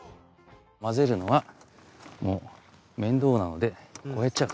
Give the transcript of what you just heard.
混ぜるのはもう面倒なのでこうやっちゃう。